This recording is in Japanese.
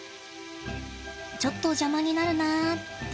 ちょっと邪魔になるなって。